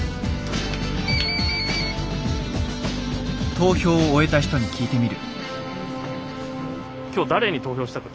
投票を終えた人に聞いてみる。